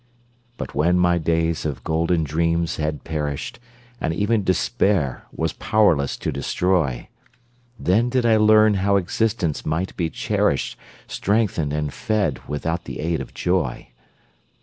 But when my days of golden dreams had perished, And even Despair was powerless to destroy, Then did I learn how existence might be cherished, Strengthened and fed without the aid of joy.